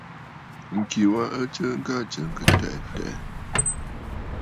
Ŋ̀kì wa ɨ t;sɨɨkə aa tsɨ̀ɨ̀ŋkə̀ tɛʼɛ̀ tɛ̀ʼɛ̀.